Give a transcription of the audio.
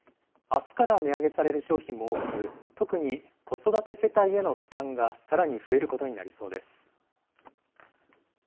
あすから値上げされる商品も多く、特に子育て世帯への負担がさらに増えることになりそうです。